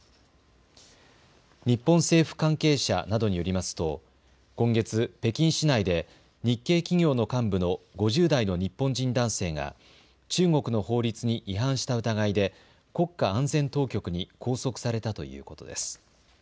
日本政府関係者などによりますと今月、北京市内で日系企業の幹部の５０代の日本人男性が中国の法律に違反した疑いで国家安全当局に拘束されたということです。